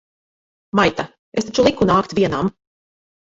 Maita! Es taču liku nākt vienam!